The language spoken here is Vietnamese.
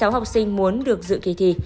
một mươi sáu học sinh muốn được dự kỳ thi